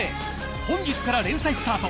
本日から連載スタート